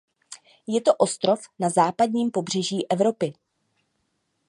Je to ostrov na západním pobřeží Evropy.